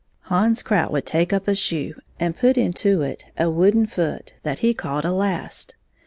Hans Krout would take up a shoe and put into it a wooden foot that he called a last.